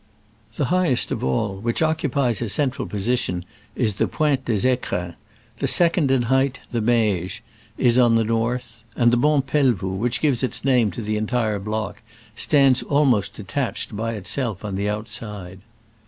The high est of all, which occupies a central po sition, is the Pointe des jfecrins ; the second in height, the Meije, is on the north; and the Mont Pelvoux, which gives its name to the entire block, stands almost detached by itself on the outside.